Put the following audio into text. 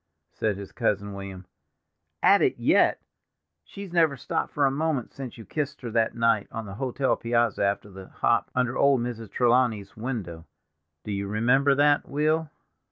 said his cousin William. "'At it yet!' She's never stopped for a moment since you kissed her that night on the hotel piazza after the hop, under old Mrs. Trelawney's window—do you remember that, Will?"